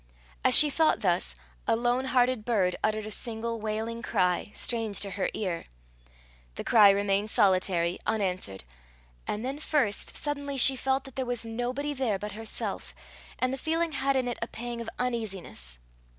As she thought thus, a lone hearted bird uttered a single, wailing cry, strange to her ear. The cry remained solitary, unanswered, and then first suddenly she felt that there was nobody there but herself, and the feeling had in it a pang of uneasiness.